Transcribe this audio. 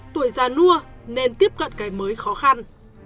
tuổi già nua nên tiếp cận cái mới khó khăn